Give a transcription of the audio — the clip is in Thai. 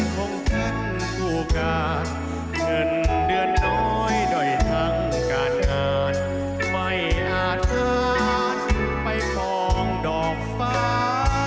หนึ่งเดือนน้อยโดยทั้งกาดงานไม่อาธาตุไปฟองดอกฟ้า